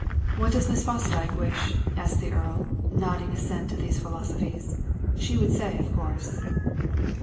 "What does Miss Fosdyke wish?" asked the Earl, nodding assent to these philosophies. "She would say, of course."